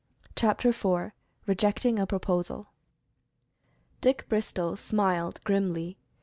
CHAPTER IV. REJECTING A PROPOSAL. Dick Bristol smiled grimly.